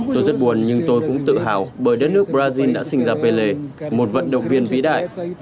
tôi rất buồn nhưng tôi cũng tự hào bởi đất nước brazil đã sinh ra pelle một vận động viên vĩ đại